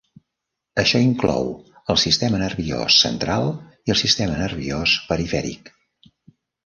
Això inclou el sistema nerviós central i el sistema nerviós perifèric.